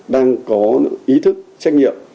đang có ý thức trách nhiệm